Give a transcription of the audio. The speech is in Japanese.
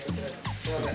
すいません！